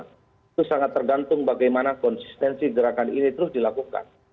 itu sangat tergantung bagaimana konsistensi gerakan ini terus dilakukan